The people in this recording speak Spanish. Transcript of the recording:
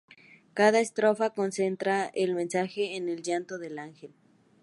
Cada estrofa concentra el mensaje en el llanto del ángel.